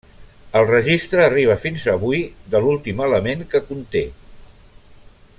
El registre arriba fins avui de l'últim element que conté.